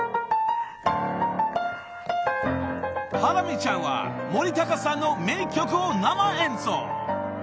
［ハラミちゃんは森高さんの名曲を生演奏］